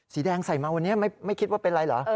สีแดงใส่มาวันนี้ไม่คิดว่าเป็นอะไรเหรอ